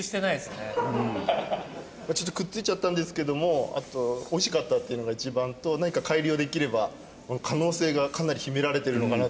ちょっとくっついちゃったんですけども美味しかったっていうのが一番と何か改良できれば可能性がかなり秘められてるのかなと。